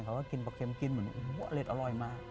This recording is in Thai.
เขาก็กินปลาเค็มกินเหมือนอเล็ดอร่อยมาก